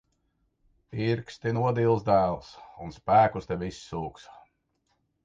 Pirksti nodils, dēls. Un spēkus tev izsūks.